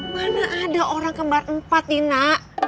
mana ada orang kembar empat tina